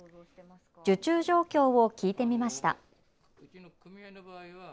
受注状況を聞いてみました。